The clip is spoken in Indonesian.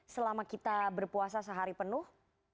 selama kita berpuasa sehari penuh